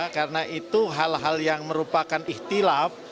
karena itu hal hal yang merupakan ihtilaf